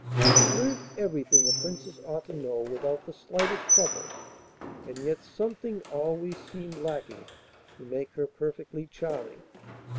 She learnt everything a Princess ought to know without the slightest trouble, and yet something always seemed lacking to make her perfectly charming.